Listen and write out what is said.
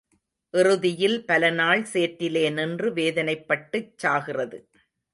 இறுதியில் பலநாள் சேற்றிலே நின்று வேதனைப்பட்டுச் சாகிறது.